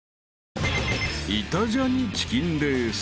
［イタジャニチキンレース